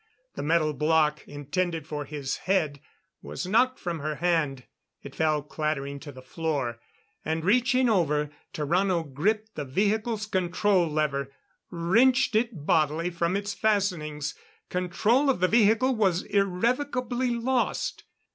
The metal block, intended for his head, was knocked from her hand; it fell clattering to the floor. And reaching over, Tarrano gripped the vehicle's control lever, wrenched it bodily from its fastenings! Control of the vehicle was irrevocably lost!